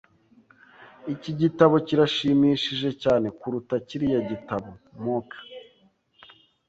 Iki gitabo kirashimishije cyane kuruta kiriya gitabo. (mookeee)